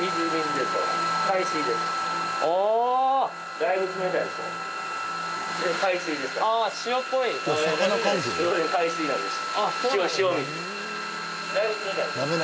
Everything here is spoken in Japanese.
だいぶ冷たいでしょ